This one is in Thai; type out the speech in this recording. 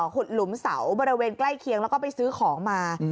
หลุมเสาบริเวณใกล้เคียงแล้วก็ไปซื้อของมา